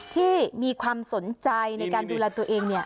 ที่มีความสนใจในการดูแลตัวเอง